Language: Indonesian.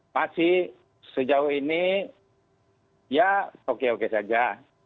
masih sejauh ini ya oke oke saja